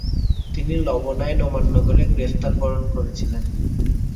তিনি লবণ আইন অমান্য করে গ্রেফতার বরণ করেছিলেন।